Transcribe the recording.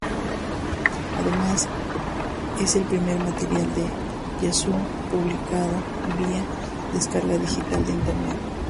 Además, es el primer material de Yazoo publicado vía descarga digital de Internet.